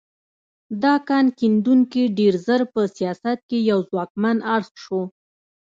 دا کان کیندونکي ډېر ژر په سیاست کې یو ځواکمن اړخ شو.